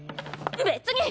別に！